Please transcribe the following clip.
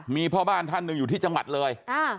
มีพ่อบ้านท่านหนึ่งอยู่ที่จังหวัดเลย